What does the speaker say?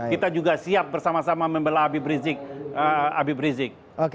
kita juga siap bersama sama membelah abiy rizik